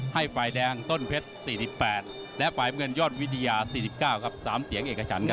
ให้ฝ่ายแดงต้นเพชร๔๘และฝ่ายเงินยอดวิทยา๔๙ครับ๓เสียงเอกฉันครับ